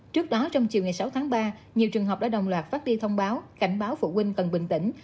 trước đó trong chiều ngày sáu tháng ba nhiều trường học đã đồng loạt phát đi thông báo cảnh báo phụ huynh cần bình tĩnh